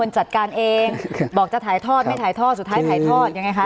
จัดการเองบอกจะถ่ายทอดไม่ถ่ายทอดสุดท้ายถ่ายทอดยังไงคะ